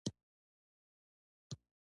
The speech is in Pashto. ځغاسته د روح تازګي ده